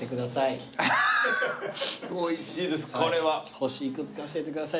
星幾つか教えてください。